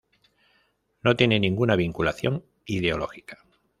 No tiene ninguna vinculación ideológica.